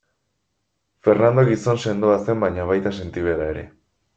Fernando gizon sendoa zen baina baita sentibera ere.